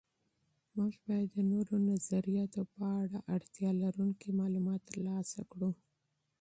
موږ باید د نورو نظریاتو په اړه اړتیا لرونکي معلومات تر لاسه کړو.